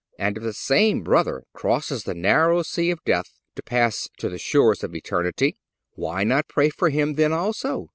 And if the same brother crosses the narrow sea of death to pass to the shores of eternity, why not pray for him then also?